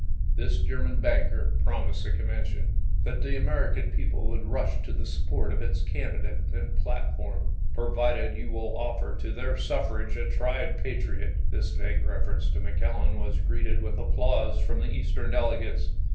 This Ger man banker promised the Convention that the American people would rush to the support of its THE CHICAGO SUEEENDEE 255 candidate and platform, " provided you will offer chap. xi. to their suffrage a tried patriot." This vague ref erence to McClellan was greeted with applause from the Eastern delegates.